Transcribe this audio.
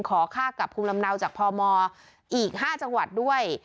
ขอค่ากับภูมิลำเนาจากพมอีก๕จังหวัดด้วย